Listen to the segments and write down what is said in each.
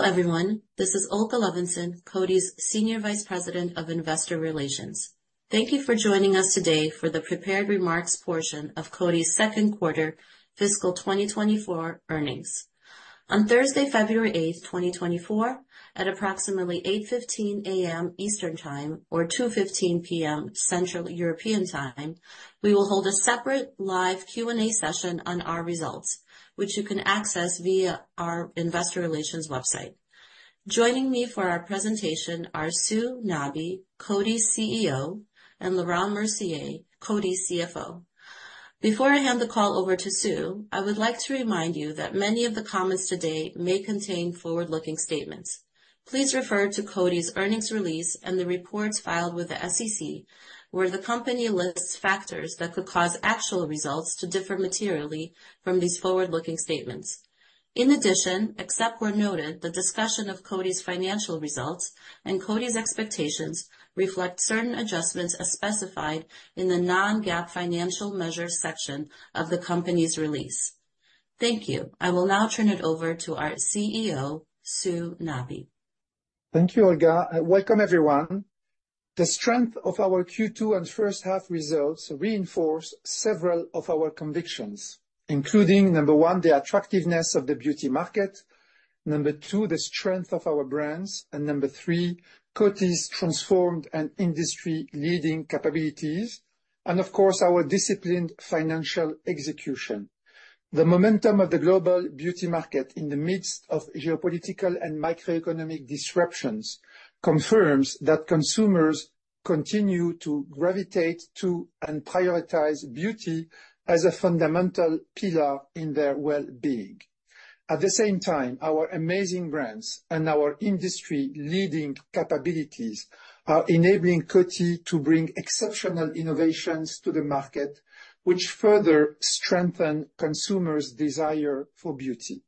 Hello everyone, this is Olga Levinzon, Coty's Senior Vice President of Investor Relations. Thank you for joining us today for the prepared remarks portion of Coty's Second Quarter Fiscal 2024 earnings. On Thursday, February 8, 2024, at approximately 8:15 A.M. Eastern Time or 2:15 P.M. Central European Time, we will hold a separate live Q&A session on our results, which you can access via our investor relations website. Joining me for our presentation are Sue Nabi, Coty's CEO, and Laurent Mercier, Coty's CFO. Before I hand the call over to Sue, I would like to remind you that many of the comments today may contain forward-looking statements. Please refer to Coty's earnings release and the reports filed with the SEC, where the company lists factors that could cause actual results to differ materially from these forward-looking statements. In addition, except where noted, the discussion of Coty's financial results and Coty's expectations reflect certain adjustments as specified in the non-GAAP financial measures section of the company's release. Thank you. I will now turn it over to our CEO, Sue Nabi. Thank you, Olga. Welcome, everyone. The strength of our Q2 and first half results reinforce several of our convictions, including number one, the attractiveness of the beauty market, number two, the strength of our brands, and number three, Coty's transformed and industry-leading capabilities, and of course, our disciplined financial execution. The momentum of the global beauty market in the midst of geopolitical and macroeconomic disruptions confirms that consumers continue to gravitate to and prioritize beauty as a fundamental pillar in their well-being. At the same time, our amazing brands and our industry-leading capabilities are enabling Coty to bring exceptional innovations to the market, which further strengthen consumers' desire for beauty.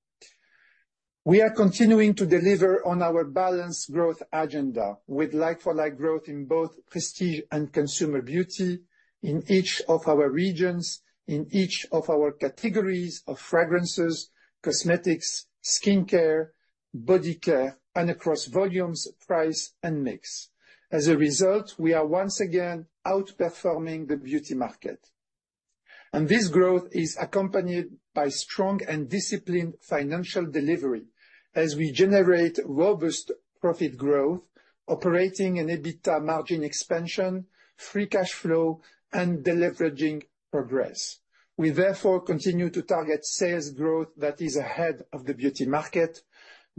We are continuing to deliver on our balanced growth agenda with like-for-like growth in both prestige and consumer beauty in each of our regions, in each of our categories of fragrances, cosmetics, skincare, body care, and across volumes, price, and mix. As a result, we are once again outperforming the beauty market, and this growth is accompanied by strong and disciplined financial delivery as we generate robust profit growth, operating an EBITDA margin expansion, free cash flow, and deleveraging progress. We therefore continue to target sales growth that is ahead of the beauty market,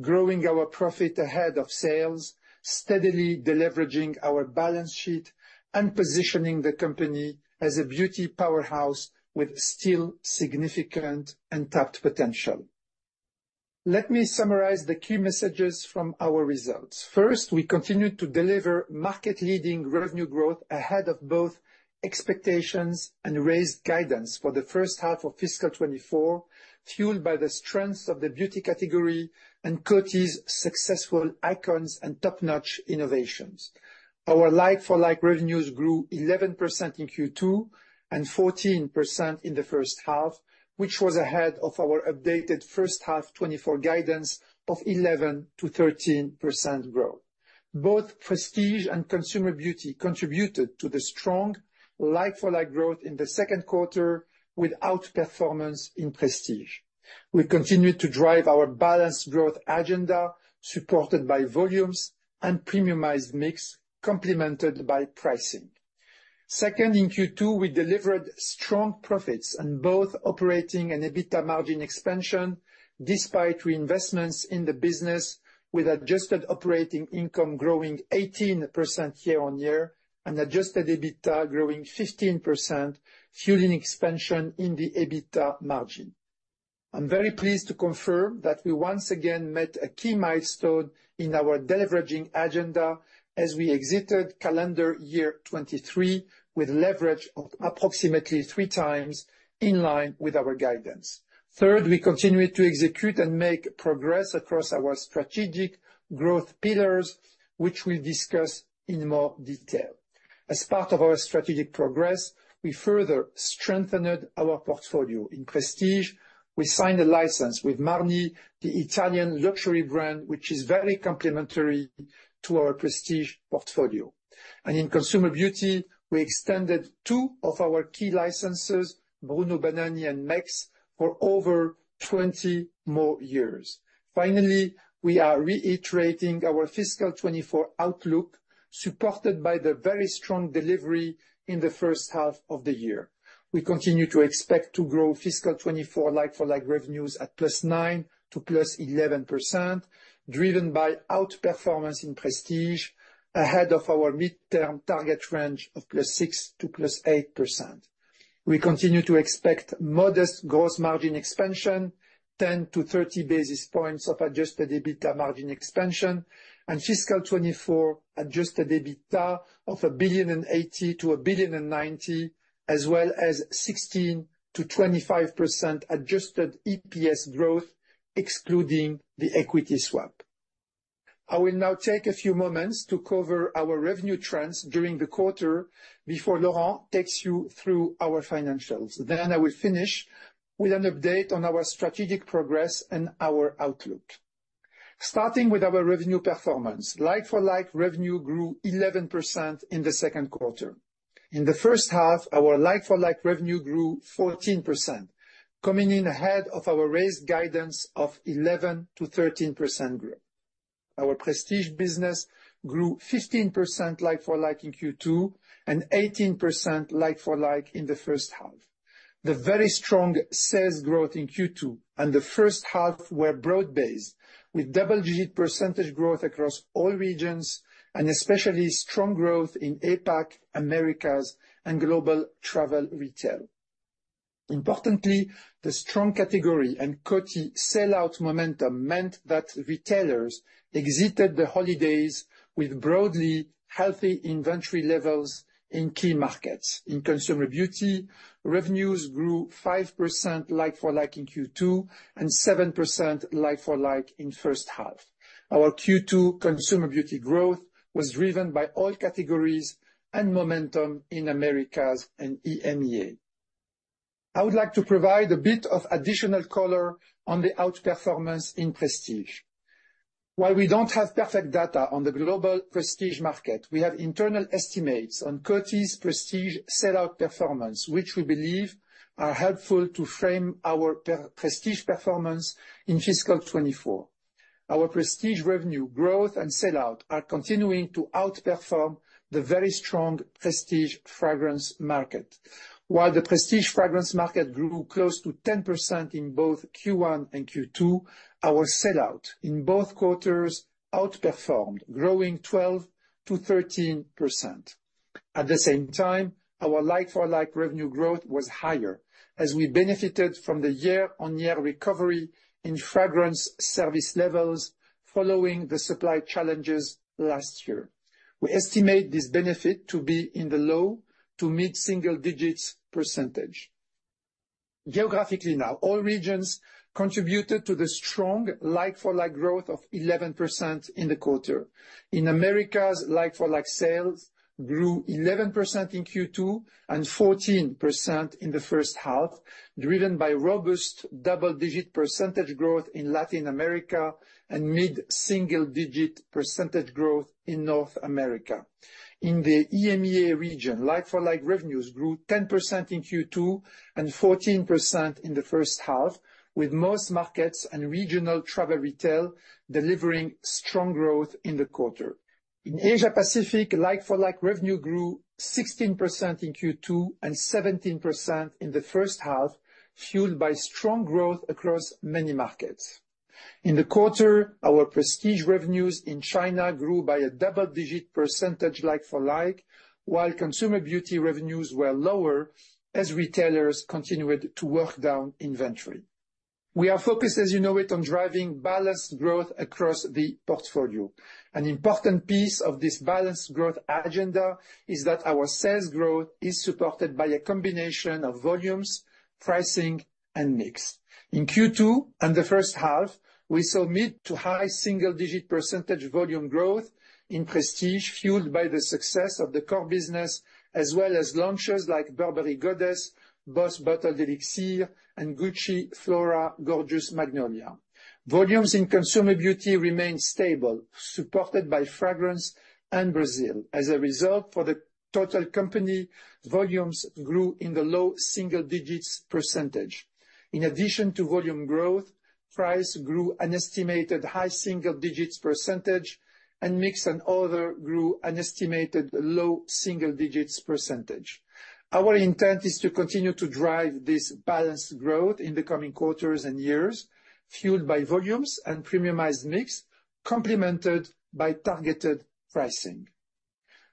growing our profit ahead of sales, steadily deleveraging our balance sheet, and positioning the company as a beauty powerhouse with still significant untapped potential. Let me summarize the key messages from our results. First, we continue to deliver market-leading revenue growth ahead of both expectations and raised guidance for the first half of fiscal 2024, fueled by the strength of the beauty category and Coty's successful icons and top-notch innovations. Our like-for-like revenues grew 11% in Q2 and 14% in the first half, which was ahead of our updated first half 2024 guidance of 11%-13% growth. Both prestige and consumer beauty contributed to the strong like-for-like growth in the second quarter with outperformance in prestige. We continued to drive our balanced growth agenda, supported by volumes and premiumized mix, complemented by pricing. Second, in Q2, we delivered strong profits on both operating and EBITDA margin expansion, despite reinvestments in the business, with adjusted operating income growing 18% year-on-year and adjusted EBITDA growing 15%, fueling expansion in the EBITDA margin. I'm very pleased to confirm that we once again met a key milestone in our deleveraging agenda as we exited calendar year 2023 with leverage of approximately 3x in line with our guidance. Third, we continued to execute and make progress across our strategic growth pillars, which we'll discuss in more detail. As part of our strategic progress, we further strengthened our portfolio. In prestige, we signed a license with Marni, the Italian luxury brand, which is very complementary to our prestige portfolio. And in consumer beauty, we extended two of our key licenses, Bruno Banani and Mexx, for over 20 more years. Finally, we are reiterating our fiscal 2024 outlook, supported by the very strong delivery in the first half of the year. We continue to expect to grow fiscal 2024 like-for-like revenues at +9%-+11%, driven by outperformance in prestige ahead of our midterm target range of +6%-+8%. We continue to expect modest gross margin expansion, 10-30 basis points of adjusted EBITDA margin expansion, and fiscal 2024 adjusted EBITDA of Euro 1.80 billion-Euro 1.90 billion, as well as 16%-25% adjusted EPS growth, excluding the equity swap. I will now take a few moments to cover our revenue trends during the quarter before Laurent takes you through our financials. Then I will finish with an update on our strategic progress and our outlook. Starting with our revenue performance, like-for-like revenue grew 11% in the second quarter. In the first half, our like-for-like revenue grew 14%, coming in ahead of our raised guidance of 11%-13% growth. Our prestige business grew 15% like-for-like in Q2, and 18% like-for-like in the first half. The very strong sales growth in Q2 and the first half were broad-based, with double-digit percentage growth across all regions, and especially strong growth in APAC, Americas, and global travel retail. Importantly, the strong category and Coty sellout momentum meant that retailers exited the holidays with broadly healthy inventory levels in key markets. In consumer beauty, revenues grew 5% like-for-like in Q2, and 7% like-for-like in first half. Our Q2 consumer beauty growth was driven by all categories and momentum in Americas and EMEA. I would like to provide a bit of additional color on the outperformance in prestige. While we don't have perfect data on the global prestige market, we have internal estimates on Coty's prestige sellout performance, which we believe are helpful to frame our prestige performance in fiscal 2024. Our prestige revenue growth and sellout are continuing to outperform the very strong prestige fragrance market. While the prestige fragrance market grew close to 10% in both Q1 and Q2, our sellout in both quarters outperformed, growing 12%-13%. At the same time, our like-for-like revenue growth was higher, as we benefited from the year-on-year recovery in fragrance service levels following the supply challenges last year. We estimate this benefit to be in the low- to mid-single digits percentage. Geographically now, all regions contributed to the strong like-for-like growth of 11% in the quarter. In Americas, like-for-like sales grew 11% in Q2 and 14% in the first half, driven by robust double-digit percentage growth in Latin America and mid-single-digit % growth in North America. In the EMEA region, like-for-like revenues grew 10% in Q2 and 14% in the first half, with most markets and regional travel retail delivering strong growth in the quarter. In Asia Pacific, like-for-like revenue grew 16% in Q2 and 17% in the first half, fueled by strong growth across many markets. In the quarter, our prestige revenues in China grew by a double-digit percentage like-for-like, while consumer beauty revenues were lower as retailers continued to work down inventory. We are focused, as you know it, on driving balanced growth across the portfolio. An important piece of this balanced growth agenda is that our sales growth is supported by a combination of volumes, pricing, and mix. In Q2 and the first half, we saw mid- to high-single-digit percentage volume growth in prestige, fueled by the success of the core business, as well as launches like Burberry Goddess, Boss Bottled Elixir, and Gucci Flora Gorgeous Magnolia. Volumes in consumer beauty remained stable, supported by fragrance and Brazil. As a result, for the total company, volumes grew in the low single-digits percentage. In addition to volume growth, price grew an estimated high single-digits percentage, and mix and other grew an estimated low single-digits percentage. Our inteent is to continue to drive this balanced growth in the coming quarters and years, fueled by volumes and premiumized mix, complemented by targeted pricing.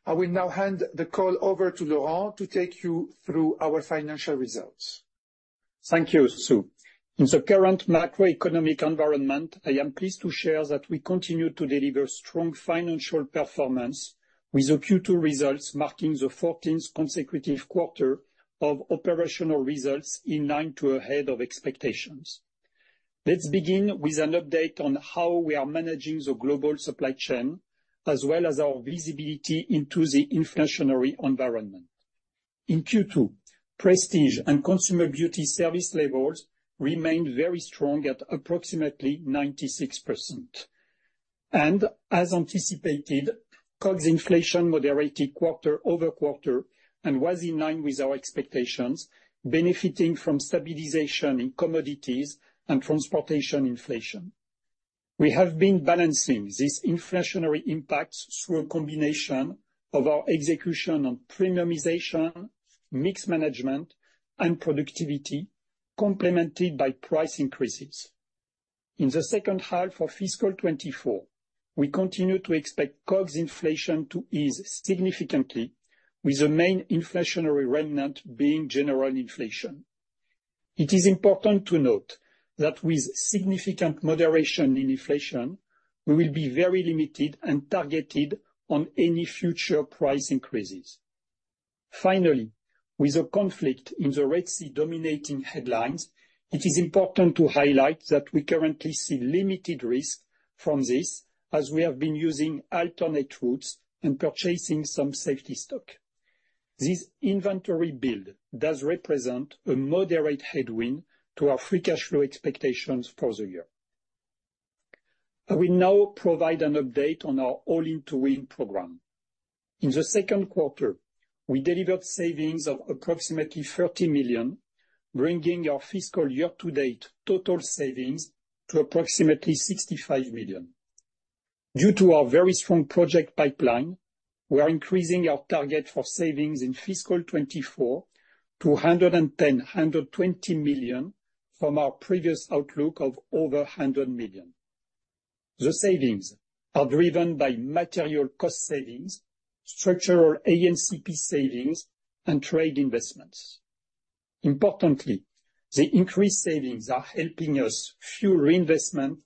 I will now hand the call over to Laurent to take you through our financial results. Thank you, Sue. In the current macroeconomic environment, I am pleased to share that we continue to deliver strong financial performance, with the Q2 results marking the 14th consecutive quarter of operational results in line to ahead of expectations. Let's begin with an update on how we are managing the global supply chain, as well as our visibility into the inflationary environment. In Q2, prestige and consumer beauty service levels remained very strong at approximately 96%. As anticipated, COGS inflation moderated quarter-over-quarter and was in line with our expectations, benefiting from stabilization in commodities and transportation inflation. We have been balancing these inflationary impacts through a combination of our execution on premiumization, mix management, and productivity, complemented by price increases. In the second half of fiscal 2024, we continue to expect COGS inflation to ease significantly, with the main inflationary remnant being general inflation. It is important to note that with significant moderation in inflation, we will be very limited and targeted on any future price increases. Finally, with the conflict in the Red Sea dominating headlines, it is important to highlight that we currently see limited risk from this, as we have been using alternate routes and purchasing some safety stock. This inventory build does represent a moderate headwind to our free cash flow expectations for the year. I will now provide an update on our All In to Win program. In the second quarter, we delivered savings of approximately Euro 30 million, bringing our fiscal year-to-date total savings to approximately Euro 65 million. Due to our very strong project pipeline, we are increasing our target for savings in fiscal 2024 to Euro 110-Euro 120 million from our previous outlook of over Euro 100 million. The savings are driven by material cost savings, structural A&CP savings, and trade investments. Importantly, the increased savings are helping us fuel reinvestment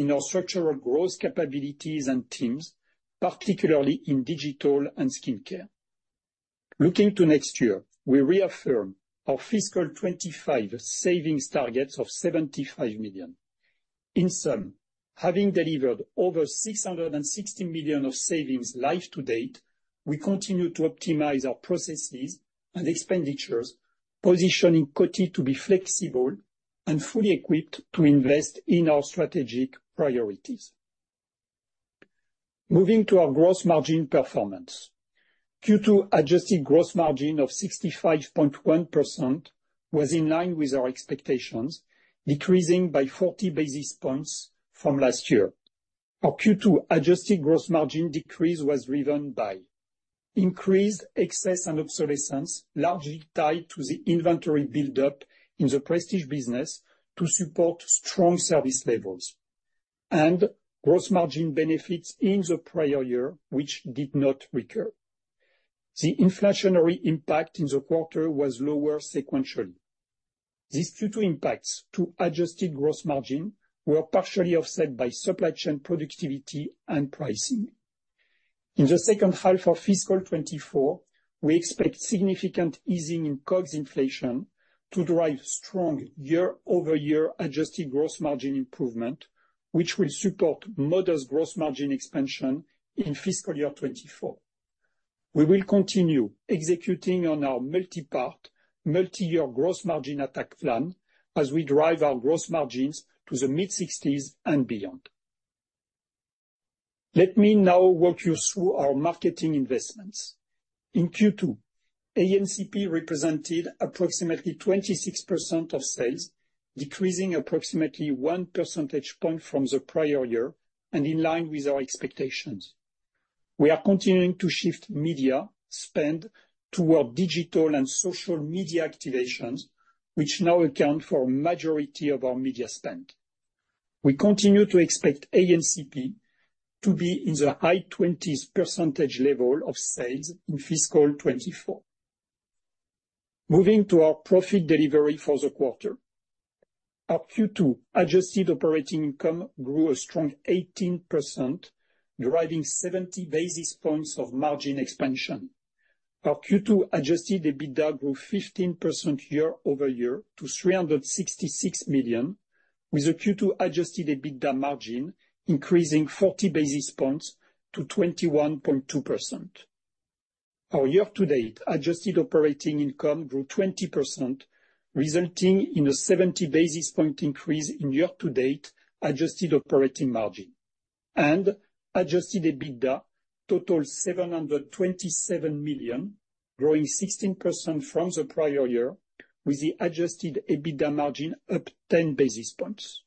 in our structural growth capabilities and teams, particularly in digital and skin care. Looking to next year, we reaffirm our fiscal 2025 savings targets of Euro 75 million. In sum, having delivered over Euro 660 million of savings live to date, we continue to optimize our processes and expenditures, positioning Coty to be flexible and fully equipped to invest in our strategic priorities. Moving to our gross margin performance. Q2 adjusted gross margin of 65.1% was in line with our expectations, decreasing by 40 basis points from last year. Our Q2 adjusted gross margin decrease was driven by increased excess and obsolescence, largely tied to the inventory buildup in the prestige business to support strong service levels and gross margin benefits in the prior year, which did not recur. The inflationary impact in the quarter was lower sequentially. These Q2 impacts to adjusted gross margin were partially offset by supply chain productivity and pricing. In the second half of fiscal 2024, we expect significant easing in COGS inflation to drive strong year-over-year adjusted gross margin improvement, which will support modest gross margin expansion in fiscal year 2024. We will continue executing on our multipart, multi-year gross margin attack plan as we drive our gross margins to the mid-60s and beyond. Let me now walk you through our marketing investments. In Q2, A&CP represented approximately 26% of sales, decreasing approximately one percentage point from the prior year and in line with our expectations. We are continuing to shift media spend toward digital and social media activations, which now account for a majority of our media spend. We continue to expect A&CP to be in the high 20s percentage level of sales in fiscal 2024. Moving to our profit delivery for the quarter. Our Q2 adjusted operating income grew a strong 18%, driving 70 basis points of margin expansion. Our Q2 adjusted EBITDA grew 15% year-over-year to Euro 366 million, with the Q2 adjusted EBITDA margin increasing 40 basis points to 21.2%. Our year-to-date adjusted operating income grew 20%, resulting in a 70 basis point increase in year-to-date adjusted operating margin, and adjusted EBITDA totaled Euro 727 million, growing 16% from the prior year, with the adjusted EBITDA margin up 10 basis points.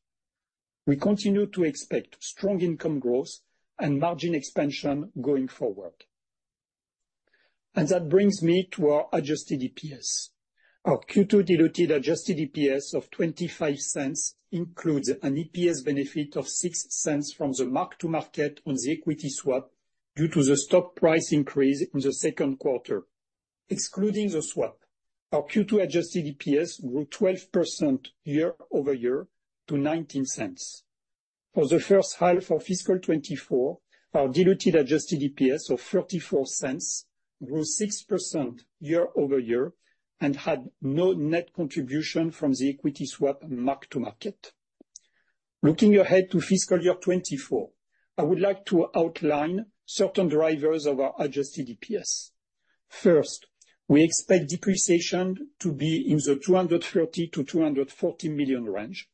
We continue to expect strong income growth and margin expansion going forward. And that brings me to our adjusted EPS. Our Q2 diluted adjusted EPS of Euro 0.25 includes an EPS benefit of Euro 0.06 from the mark-to-market on the equity swap due to the stock price increase in the second quarter. Excluding the swap, our Q2 adjusted EPS grew 12% year-over-year to Euro 0.19. For the first half of fiscal 2024, our diluted adjusted EPS of Euro 0.34 grew 6% year-over-year and had no net contribution from the equity swap mark to market. Looking ahead to fiscal year 2024, I would like to outline certain drivers of our adjusted EPS. First, we expect depreciation to be in the Euro 230 million-Euro 240 million range.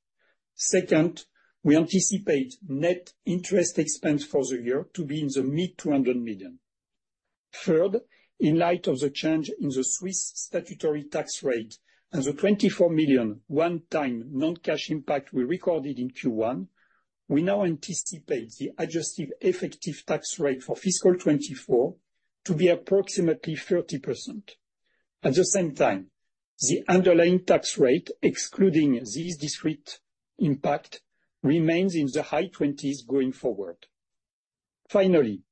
Second, we anticipate net interest expense for the year to be in the mid-Euro 200 million. Third, in light of the change in the Swiss statutory tax rate and the Euro 24 million one-time non-cash impact we recorded in Q1, we now anticipate the adjusted effective tax rate for fiscal 2024 to be approximately 30%. At the same time, the underlying tax rate, excluding this discrete impact, remains in the high 20s% going forward. Finally,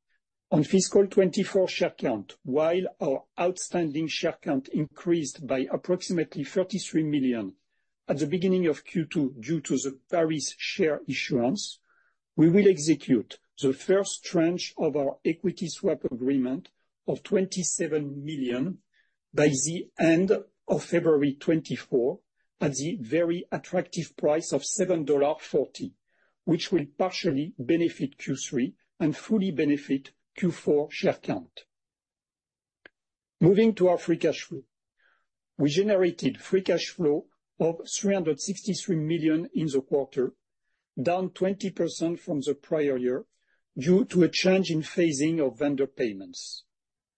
on fiscal 2024 share count, while our outstanding share count increased by approximately 33 million at the beginning of Q2 due to the Paris share issuance-... We will execute the first tranche of our equity swap agreement of Euro 27 million by the end of February 2024, at the very attractive price of Euro 7.40, which will partially benefit Q3 and fully benefit Q4 share count. Moving to our free cash flow, we generated free cash flow of Euro 363 million in the quarter, down 20% from the prior year, due to a change in phasing of vendor payments.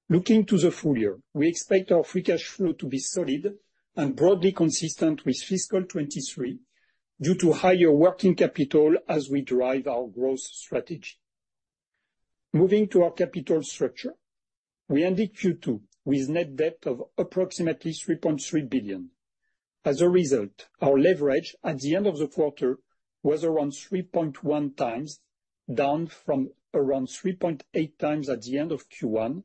Looking to the full year, we expect our free cash flow to be solid and broadly consistent with fiscal 2023, due to higher working capital as we drive our growth strategy. Moving to our capital structure, we ended Q2 with net debt of approximately Euro 3.3 billion. As a result, our leverage at the end of the quarter was around 3.1x, down from around 3.8x at the end of Q1,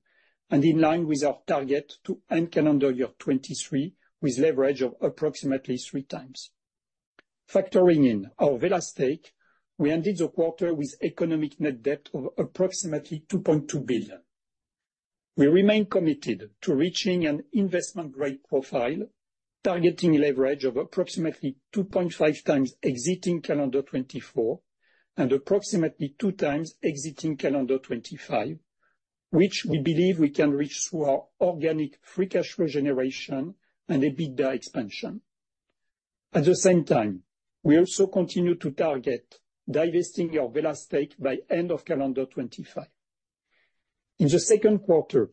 and in line with our target to end calendar year 2023, with leverage of approximately 3x. Factoring in our Wella stake, we ended the quarter with economic net debt of approximately Euro 2.2 billion. We remain committed to reaching an investment-grade profile, targeting leverage of approximately 2.5x exiting calendar 2024, and approximately 2x exiting calendar 2025, which we believe we can reach through our organic free cash flow generation and EBITDA expansion. At the same time, we also continue to target divesting our Wella stake by end of calendar 2025. In the second quarter,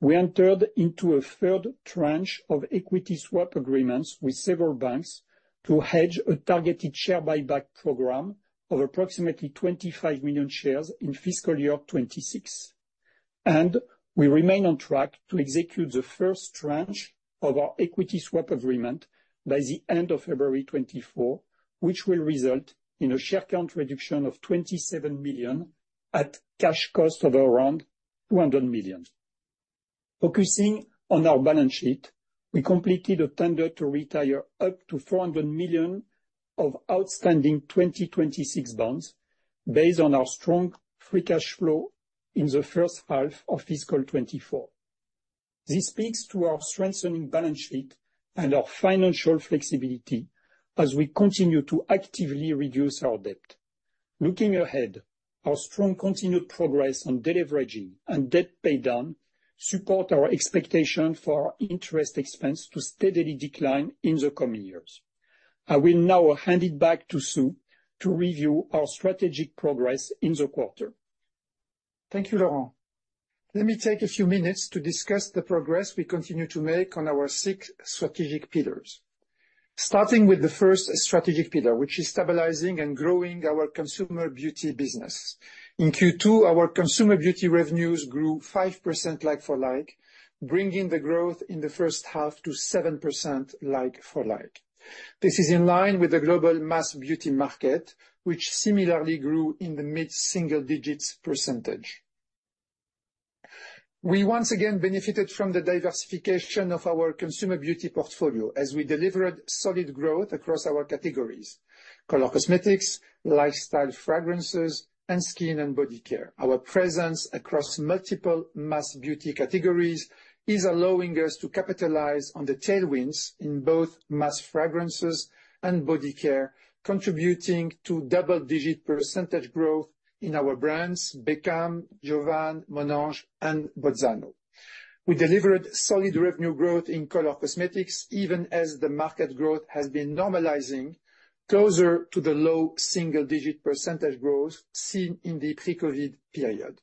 we entered into a third tranche of equity swap agreements with several banks to hedge a targeted share buyback program of approximately 25 million shares in fiscal year 2026. We remain on track to execute the first tranche of our equity swap agreement by the end of February 2024, which will result in a share count reduction of 27 million at cash cost of around Euro 200 million. Focusing on our balance sheet, we completed a tender to retire up to Euro 400 million of outstanding 2026 bonds, based on our strong free cash flow in the first half of fiscal 2024. This speaks to our strengthening balance sheet and our financial flexibility as we continue to actively reduce our debt. Looking ahead, our strong continued progress on deleveraging and debt paydown support our expectation for our interest expense to steadily decline in the coming years. I will now hand it back to Sue to review our strategic progress in the quarter. Thank you, Laurent. Let me take a few minutes to discuss the progress we continue to make on our six strategic pillars. Starting with the first strategic pillar, which is stabilizing and growing our consumer beauty business. In Q2, our consumer beauty revenues grew 5% Like-for-Like, bringing the growth in the first half to 7% Like-for-Like. This is in line with the global mass beauty market, which similarly grew in the mid-single digits percentage. We once again benefited from the diversification of our consumer beauty portfolio as we delivered solid growth across our categories: color cosmetics, lifestyle fragrances, and skin and body care. Our presence across multiple mass beauty categories is allowing us to capitalize on the tailwinds in both mass fragrances and body care, contributing to double-digit percentage growth in our brands Beckham, Jovan, Měnage, and Bozzano. We delivered solid revenue growth in color cosmetics, even as the market growth has been normalizing closer to the low single-digit percentage growth seen in the pre-COVID period.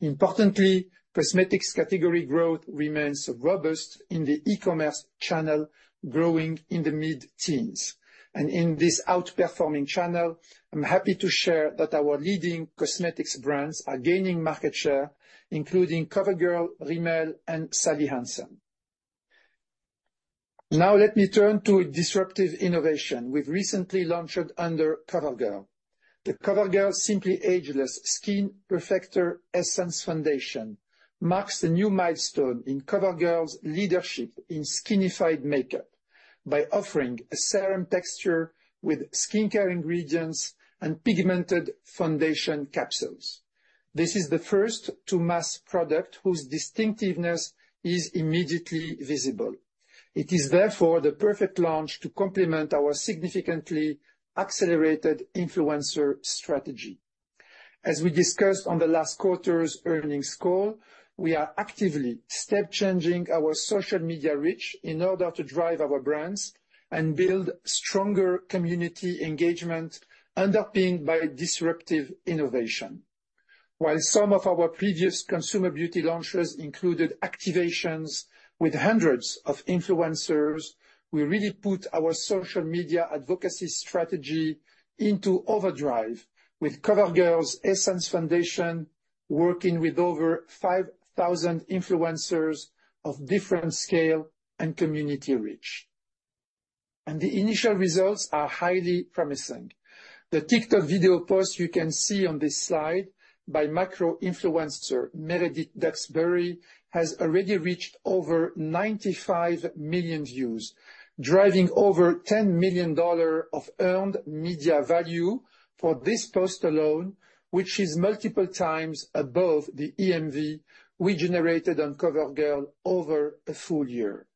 Importantly, cosmetics category growth remains robust in the e-commerce channel, growing in the mid-teens%. In this outperforming channel, I'm happy to share that our leading cosmetics brands are gaining market share, including CoverGirl, Rimmel, and Sally Hansen. Now let me turn to disruptive innovation we've recently launched under CoverGirl. The CoverGirl Simply Ageless Skin Perfector Essence Foundation marks a new milestone in CoverGirl's leadership in skinnified makeup by offering a serum texture with skincare ingredients and pigmented foundation capsules. This is the first true mass product whose distinctiveness is immediately visible. It is therefore the perfect launch to complement our significantly accelerated influencer strategy. As we discussed on the last quarter's earnings call, we are actively step changing our social media reach in order to drive our brands and build stronger community engagement, underpinned by disruptive innovation. While some of our previous consumer beauty launches included activations with hundreds of influencers, we really put our social media advocacy strategy into overdrive with CoverGirl's Essence Foundation, working with over 5,000 influencers of different scale and community reach.… The initial results are highly promising. The TikTok video post you can see on this slide by macro influencer, Meredith Duxbury, has already reached over 95 million views, driving over Euro 10 million of earned media value for this post alone, which is multiple times above the EMV we generated on CoverGirl over a full year.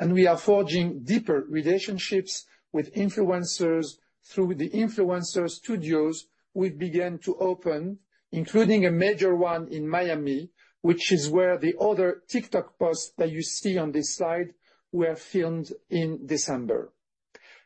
We are forging deeper relationships with influencers through the influencer studios we've began to open, including a major one in Miami, which is where the other TikTok posts that you see on this slide were filmed in December.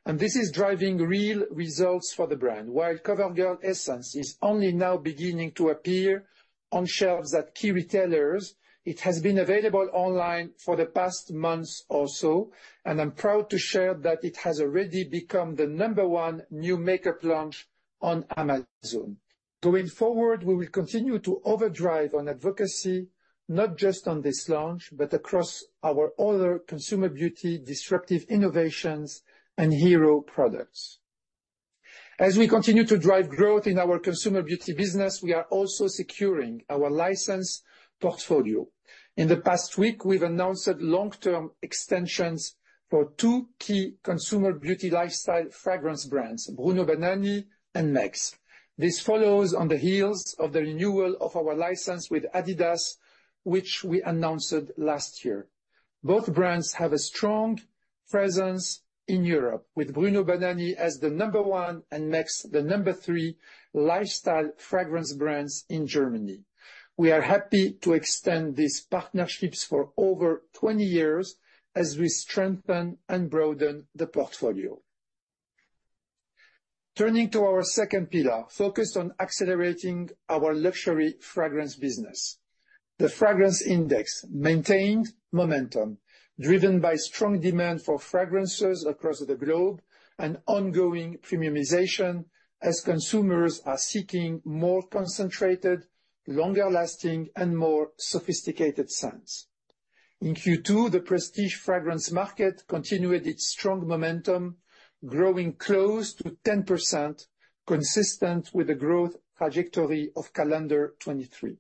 This is driving real results for the brand. While CoverGirl Essence is only now beginning to appear on shelves at key retailers, it has been available online for the past months or so, and I'm proud to share that it has already become the number one new makeup launch on Amazon. Going forward, we will continue to overdrive on advocacy, not just on this launch, but across our other consumer beauty, disruptive innovations, and hero products. As we continue to drive growth in our consumer beauty business, we are also securing our license portfolio. In the past week, we've announced long-term extensions for two key consumer beauty lifestyle fragrance brands, Bruno Banani and Mexx. This follows on the heels of the renewal of our license with Adidas, which we announced last year. Both brands have a strong presence in Europe, with Bruno Banani as the number one and Mexx the number three lifestyle fragrance brands in Germany. We are happy to extend these partnerships for over 20 years as we strengthen and broaden the portfolio. Turning to our second pillar, focused on accelerating our luxury fragrance business. The fragrance index maintained momentum, driven by strong demand for fragrances across the globe and ongoing premiumization as consumers are seeking more concentrated, longer lasting, and more sophisticated scents. In Q2, the prestige fragrance market continued its strong momentum, growing close to 10%, consistent with the growth trajectory of calendar 2023.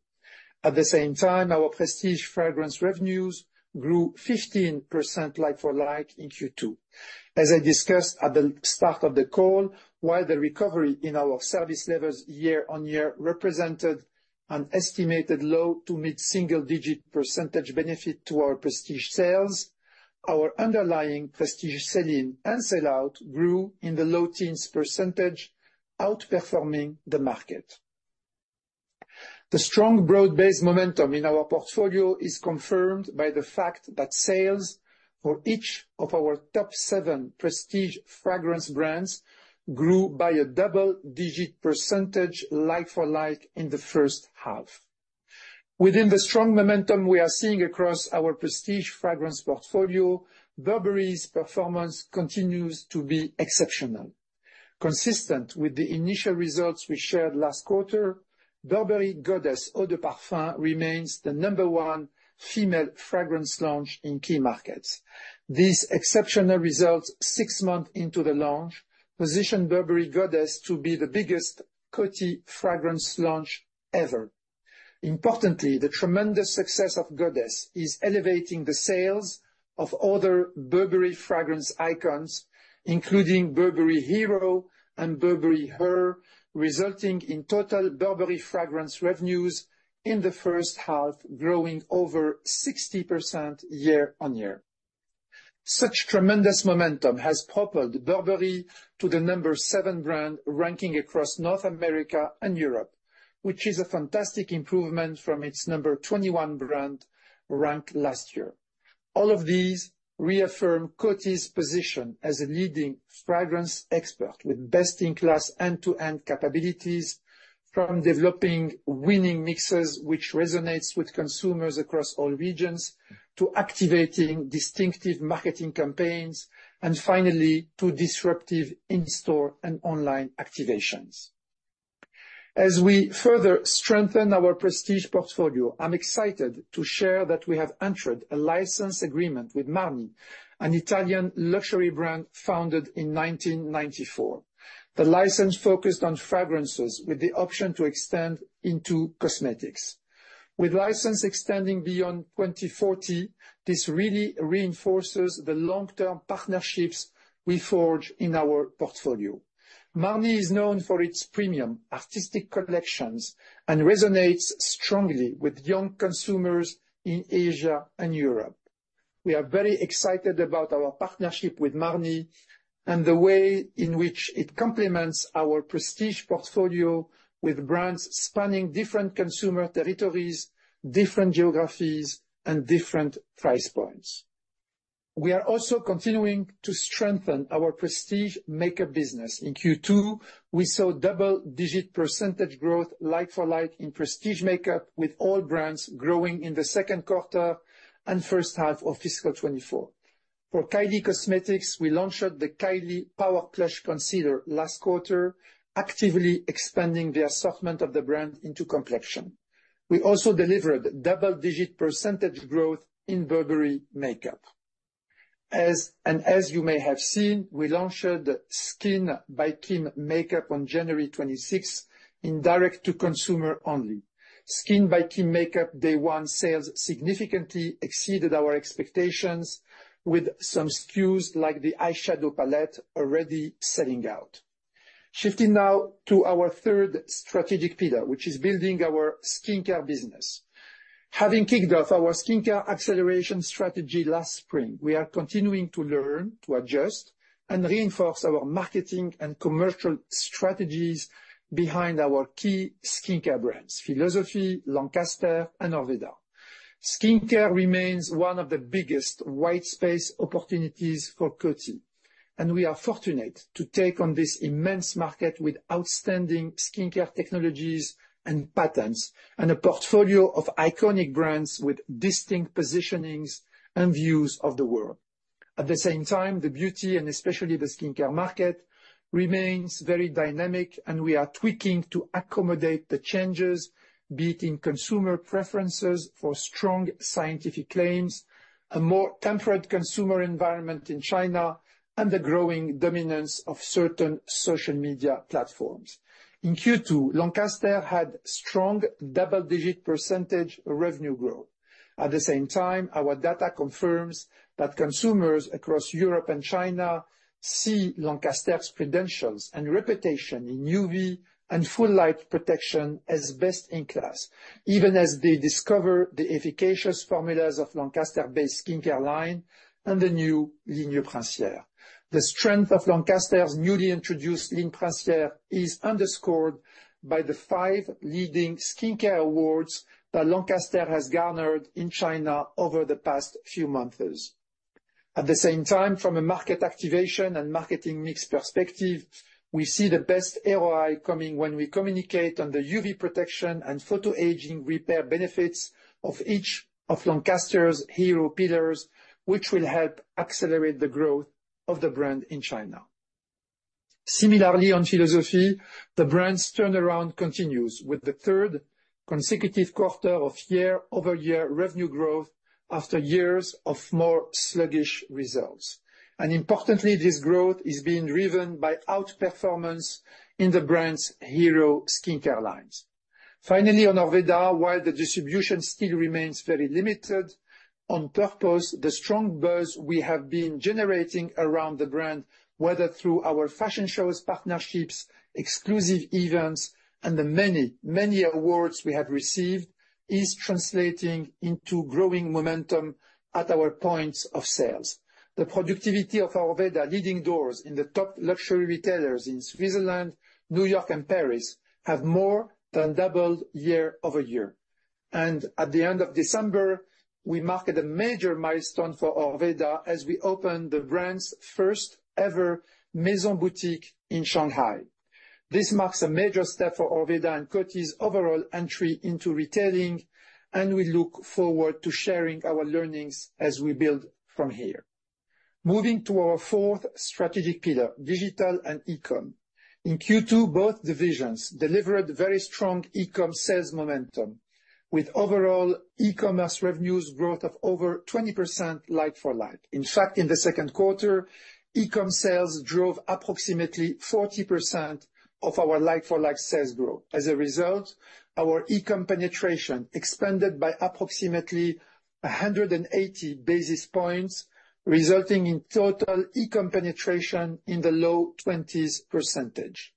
At the same time, our prestige fragrance revenues grew 15% like-for-like in Q2. As I discussed at the start of the call, while the recovery in our service levels year-on-year represented an estimated low- to mid-single-digit percentage benefit to our prestige sales, our underlying prestige sell-in and sellout grew in the low-teens percentage, outperforming the market. The strong, broad-based momentum in our portfolio is confirmed by the fact that sales for each of our top 7 prestige fragrance brands grew by a double-digit percentage like-for-like in the first half. Within the strong momentum we are seeing across our prestige fragrance portfolio, Burberry's performance continues to be exceptional. Consistent with the initial results we shared last quarter, Burberry Goddess Eau de parfum remains the number 1 female fragrance launch in key markets. These exceptional results, six months into the launch, position Burberry Goddess to be the biggest Coty fragrance launch ever. Importantly, the tremendous success of Goddess is elevating the sales of other Burberry fragrance icons, including Burberry Hero and Burberry Her, resulting in total Burberry fragrance revenues in the first half, growing over 60% year-on-year. Such tremendous momentum has propelled Burberry to the number 7 brand ranking across North America and Europe, which is a fantastic improvement from its number 21 brand rank last year. All of these reaffirm Coty's position as a leading fragrance expert with best-in-class end-to-end capabilities, from developing winning mixes, which resonates with consumers across all regions, to activating distinctive marketing campaigns, and finally, to disruptive in-store and online activations. As we further strengthen our prestige portfolio, I'm excited to share that we have entered a license agreement with Marni, an Italian luxury brand founded in 1994. The license focused on fragrances with the option to extend into cosmetics. With license extending beyond 2040, this really reinforces the long-term partnerships we forge in our portfolio. Marni is known for its premium artistic collections and resonates strongly with young consumers in Asia and Europe. We are very excited about our partnership with Marni and the way in which it complements our prestige portfolio with brands spanning different consumer territories, different geographies, and different price points. We are also continuing to strengthen our prestige makeup business. In Q2, we saw double-digit percentage growth, like-for-like, in prestige makeup, with all brands growing in the second quarter and first half of fiscal 2024. For Kylie Cosmetics, we launched the Kylie Power Plush Concealer last quarter, actively expanding the assortment of the brand into complexion. We also delivered double-digit percentage growth in Burberry makeup, as you may have seen, we launched the SKKN by Kim on January 26th in direct-to-consumer only. SKKN by Kim day one sales significantly exceeded our expectations, with some SKUs like the eyeshadow palette already selling out. Shifting now to our third strategic pillar, which is building our skincare business. Having kicked off our skincare acceleration strategy last spring, we are continuing to learn, to adjust, and reinforce our marketing and commercial strategies behind our key skincare brands, Philosophy, Lancaster, and Orveda. Skincare remains one of the biggest white space opportunities for Coty, and we are fortunate to take on this immense market with outstanding skincare technologies and patents, and a portfolio of iconic brands with distinct positionings and views of the world. At the same time, the beauty, and especially the skincare market, remains very dynamic, and we are tweaking to accommodate the changes, be it in consumer preferences for strong scientific claims, a more temperate consumer environment in China, and the growing dominance of certain social media platforms. In Q2, Lancaster had strong double-digit percentage revenue growth. At the same time, our data confirms that consumers across Europe and China see Lancaster's credentials and reputation in UV and full light protection as best-in-class, even as they discover the efficacious formulas of Lancaster-based skincare line and the new Ligne Princière. The strength of Lancaster's newly introduced Ligne Princière is underscored by the five leading skincare awards that Lancaster has garnered in China over the past few months. At the same time, from a market activation and marketing mix perspective, we see the best ROI coming when we communicate on the UV protection and photo aging repair benefits of each of Lancaster's hero pillars, which will help accelerate the growth of the brand in China. Similarly, on Philosophy, the brand's turnaround continues, with the third consecutive quarter of year-over-year revenue growth after years of more sluggish results. Importantly, this growth is being driven by outperformance in the brand's hero skincare lines. Finally, on Orveda, while the distribution still remains very limited, on purpose, the strong buzz we have been generating around the brand, whether through our fashion shows, partnerships, exclusive events, and the many, many awards we have received, is translating into growing momentum at our points of sales. The productivity of Orveda, leading doors in the top luxury retailers in Switzerland, New York, and Paris, have more than doubled year-over-year. At the end of December, we marked a major milestone for Orveda as we opened the brand's first ever Maison boutique in Shanghai. This marks a major step for Orveda and Coty's overall entry into retailing, and we look forward to sharing our learnings as we build from here. Moving to our fourth strategic pillar, Digital and E-com. In Q2, both divisions delivered very strong e-com sales momentum, with overall e-commerce revenue growth of over 20% Like-for-Like. In fact, in the second quarter, e-com sales drove approximately 40% of our Like-for-Like sales growth. As a result, our e-com penetration expanded by approximately 180 basis points, resulting in total e-com penetration in the low 20s%.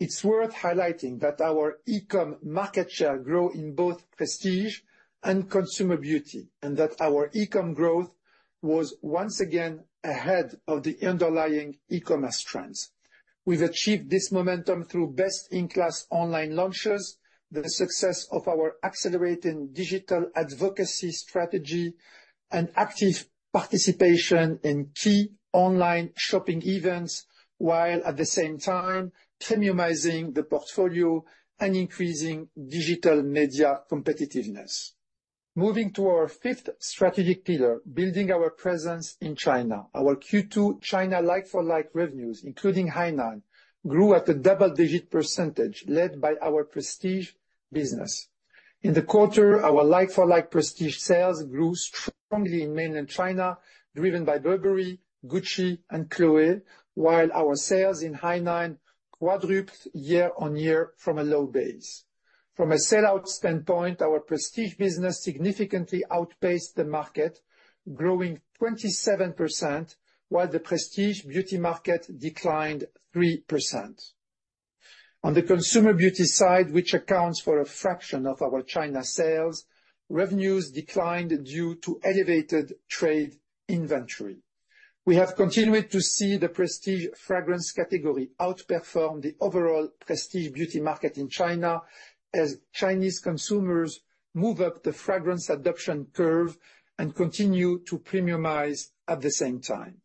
It's worth highlighting that our e-com market share grow in both prestige and consumer beauty, and that our e-com growth was once again ahead of the underlying e-commerce trends. We've achieved this momentum through best-in-class online launches, the success of our accelerating digital advocacy strategy, and active participation in key online shopping events, while at the same time, premiumizing the portfolio and increasing digital media competitiveness. Moving to our fifth strategic pillar, building our presence in China. Our Q2 China like-for-like revenues, including Hainan, grew at a double-digit percentage, led by our prestige business. In the quarter, our like-for-like prestige sales grew strongly in mainland China, driven by Burberry, Gucci, and Chloé, while our sales in Hainan quadrupled year-on-year from a low base. From a sellout standpoint, our prestige business significantly outpaced the market, growing 27%, while the prestige beauty market declined 3%. On the consumer beauty side, which accounts for a fraction of our China sales, revenues declined due to elevated trade inventory. We have continued to see the prestige fragrance category outperform the overall prestige beauty market in China as Chinese consumers move up the fragrance adoption curve and continue to premiumize at the same time.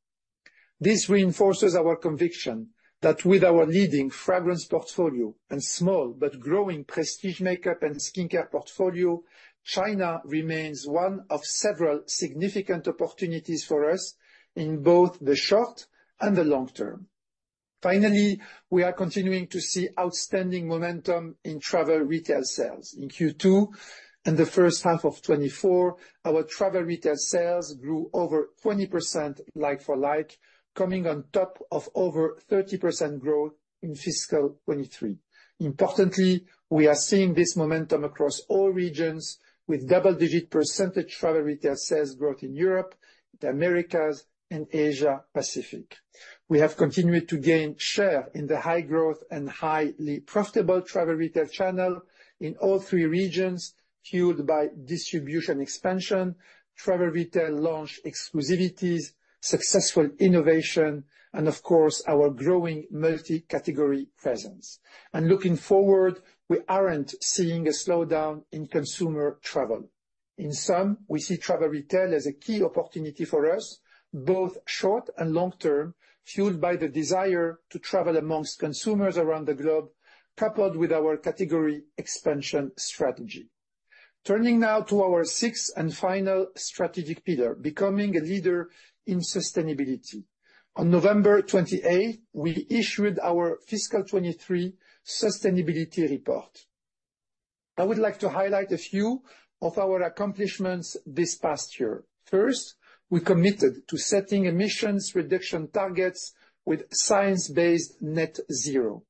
This reinforces our conviction that with our leading fragrance portfolio and small but growing prestige makeup and skincare portfolio, China remains one of several significant opportunities for us in both the short and the long term. Finally, we are continuing to see outstanding momentum in travel retail sales. In Q2 and the first half of 2024, our travel retail sales grew over 20% like-for-like, coming on top of over 30% growth in fiscal 2023. Importantly, we are seeing this momentum across all regions, with double-digit percentage travel retail sales growth in Europe, the Americas, and Asia Pacific. We have continued to gain share in the high growth and highly profitable travel retail channel in all three regions, fueled by distribution expansion, travel retail launch exclusivities, successful innovation, and of course, our growing multi-category presence. Looking forward, we aren't seeing a slowdown in consumer travel. In sum, we see travel retail as a key opportunity for us, both short and long term, fueled by the desire to travel amongst consumers around the globe, coupled with our category expansion strategy. Turning now to our sixth and final strategic pillar, becoming a leader in sustainability. On November 28th, we issued our fiscal 2023 sustainability report. I would like to highlight a few of our accomplishments this past year. First, we committed to setting emissions reduction targets with science-based net zero,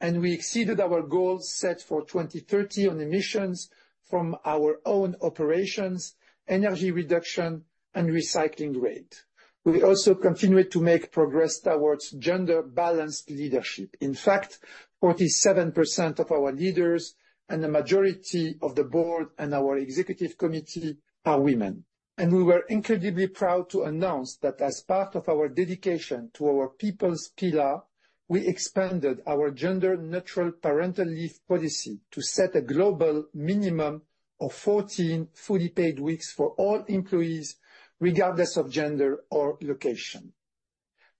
and we exceeded our goals set for 2030 on emissions from our own operations, energy reduction, and recycling rate. We also continued to make progress towards gender-balanced leadership. In fact, 47% of our leaders and the majority of the board and our executive committee are women, and we were incredibly proud to announce that as part of our dedication to our people's pillar, we expanded our gender-neutral parental leave policy to set a global minimum of 14 fully paid weeks for all employees, regardless of gender or location.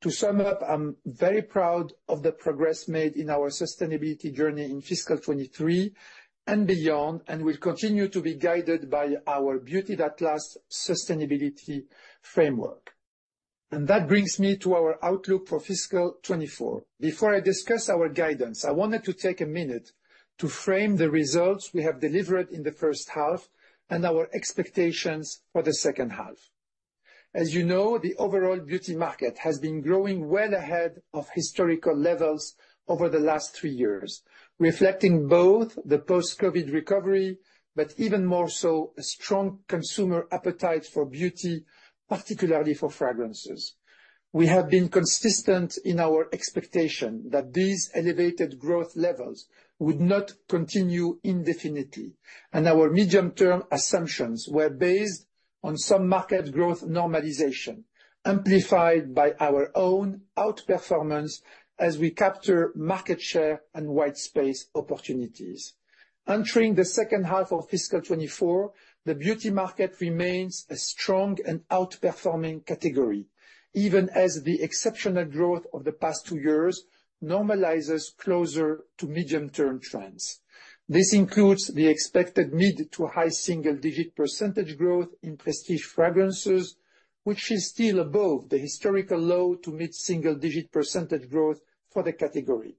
To sum up, I'm very proud of the progress made in our sustainability journey in fiscal 2023 and beyond, and we'll continue to be guided by our Beauty That Lasts sustainability framework. And that brings me to our outlook for fiscal 2024. Before I discuss our guidance, I wanted to take a minute to frame the results we have delivered in the first half and our expectations for the second half. As you know, the overall beauty market has been growing well ahead of historical levels over the last three years, reflecting both the post-COVID recovery, but even more so, a strong consumer appetite for beauty, particularly for fragrances. We have been consistent in our expectation that these elevated growth levels would not continue indefinitely, and our medium-term assumptions were based on some market growth normalization, amplified by our own outperformance as we capture market share and white space opportunities. Entering the second half of fiscal 2024, the beauty market remains a strong and outperforming category, even as the exceptional growth of the past two years normalizes closer to medium-term trends. This includes the expected mid-to-high single-digit percentage growth in prestige fragrances, which is still above the historical low-to-mid single-digit percentage growth for the category,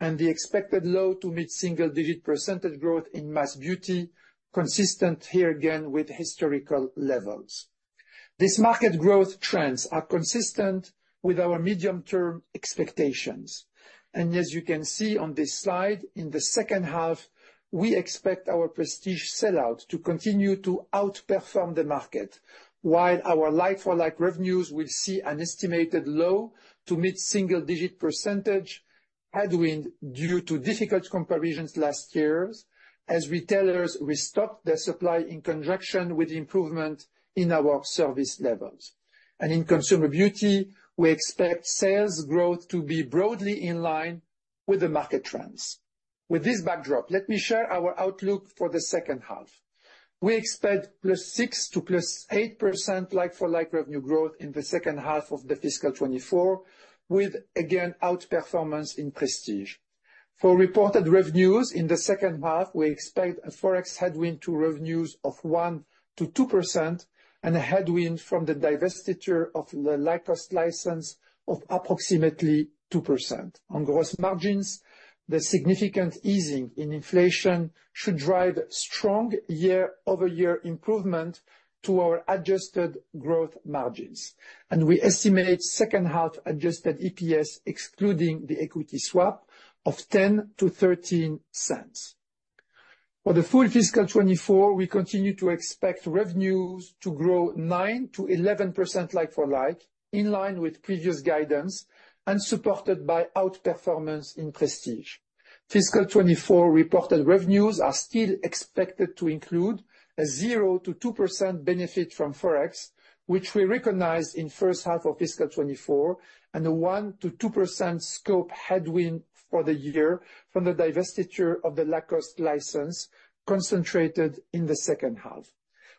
and the expected low-to-mid single-digit percentage growth in mass beauty, consistent here again with historical levels. These market growth trends are consistent with our medium-term expectations, and as you can see on this slide, in the second half, we expect our prestige Sellout to continue to outperform the market, while our Like-for-Like revenues will see an estimated low-to-mid single-digit percentage headwind due to difficult comparisons last years, as retailers restock their supply in conjunction with improvement in our Service Levels. In consumer beauty, we expect sales growth to be broadly in line with the market trends. With this backdrop, let me share our outlook for the second half. We expect +6% to +8% Like-for-Like revenue growth in the second half of fiscal 2024, with again, outperformance in prestige. For reported revenues in the second half, we expect a Forex headwind to revenues of 1%-2% and a headwind from the divestiture of the Lacoste license of approximately 2%. On gross margins, the significant easing in inflation should drive strong year-over-year improvement to our adjusted growth margins, and we estimate second half adjusted EPS, excluding the equity swap, of Euro 0.10-Euro 0.13. For the full fiscal 2024, we continue to expect revenues to grow 9%-11% like-for-like, in line with previous guidance and supported by outperformance in prestige. Fiscal 2024 reported revenues are still expected to include a 0%-2% benefit from Forex, which we recognized in first half of fiscal 2024, and a 1%-2% scope headwind for the year from the divestiture of the Lacoste license concentrated in the second half.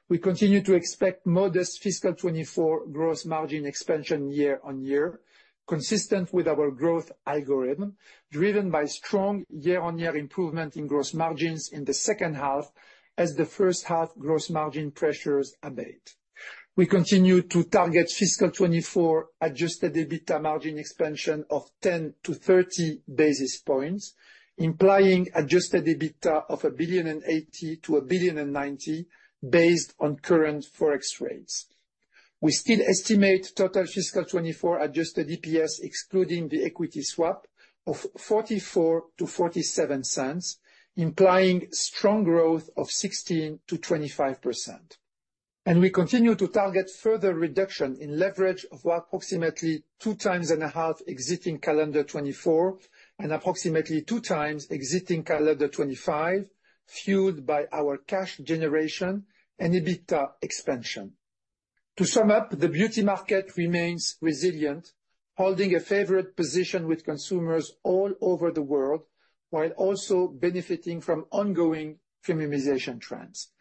We continue to expect modest fiscal 2024 gross margin expansion year on year, consistent with our growth algorithm, driven by strong year-on-year improvement in gross margins in the second half as the first half gross margin pressures abate. We continue to target fiscal 2024 adjusted EBITDA margin expansion of 10-30 basis points, implying adjusted EBITDA of Euro 1.80 billion-Euro 1.90 billion, based on current Forex rates. We still estimate total fiscal 2024 adjusted EPS, excluding the equity swap, of Euro 0.44-Euro 0.47, implying strong growth of 16%-25%. And we continue to target further reduction in leverage of approximately 2.5x exiting calendar 2024, and approximately 2x exiting calendar 2025, fueled by our cash generation and EBITDA expansion. To sum up, the beauty market remains resilient, holding a favorite position with consumers all over the world, while also benefiting from ongoing premiumization trends.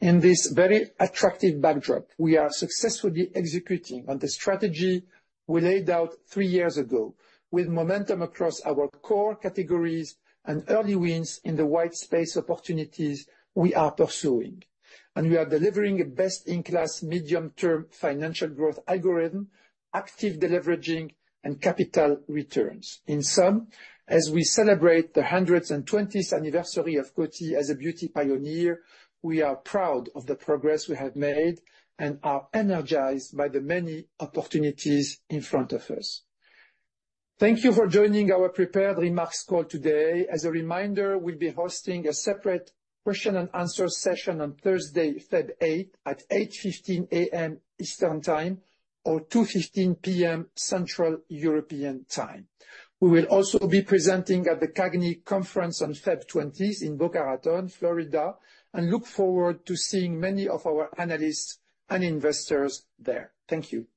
In this very attractive backdrop, we are successfully executing on the strategy we laid out three years ago, with momentum across our core categories and early wins in the white space opportunities we are pursuing. We are delivering a best-in-class medium-term financial growth algorithm, active deleveraging, and capital returns. In sum, as we celebrate the 120th anniversary of Coty as a beauty pioneer, we are proud of the progress we have made and are energized by the many opportunities in front of us. Thank you for joining our prepared remarks call today. As a reminder, we'll be hosting a separate question and answer session on Thursday, February 8th, at 8:15 A.M. Eastern Time, or 2:15 P.M. Central European Time. We will also be presenting at the CAGNY Conference on February 20th in Boca Raton, Florida, and look forward to seeing many of our analysts and investors there. Thank you.